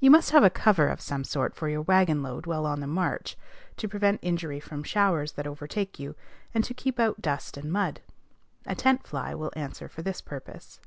You must have a cover of some sort for your wagon load while on the march, to prevent injury from showers that overtake you, and to keep out dust and mud. A tent fly will answer for this purpose.